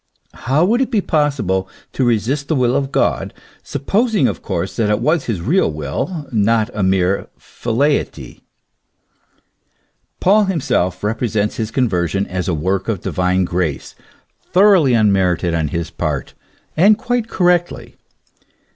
How would it be possible to resist the will of God, supposing of course that it was his real will, not a mere velleity ? Paul himself represents his conversion as a work of divine grace thoroughly unmerited on his part ;* and quite correctly.